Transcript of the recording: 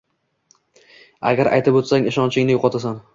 Agar aytib qo‘ysang, ishonchingni yo‘qotasan.